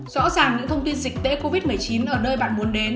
rõ ràng những thông tin dịch tễ covid một mươi chín ở nơi bạn muốn đến